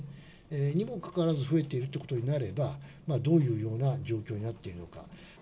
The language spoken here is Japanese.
にもかかわらず増えているということになれば、どういうような状況になっているのか。